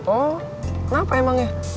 oh kenapa emangnya